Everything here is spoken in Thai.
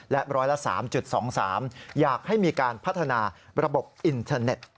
และร้อยละ๓๒๓อยากให้มีการพัฒนาระบบอินเทอร์เน็ต